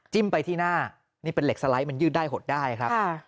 ไปที่หน้านี่เป็นเหล็กสไลด์มันยืดได้หดได้ครับ